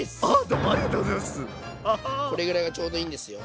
どうもこれぐらいがちょうどいいんですよ。